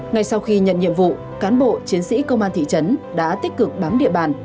ngay sau khi nhận nhiệm vụ cán bộ chiến sĩ công an thị trấn đã tích cực bám địa bàn